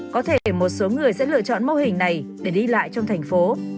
có thể một số người sẽ lựa chọn mô hình này để đi lại trong thành phố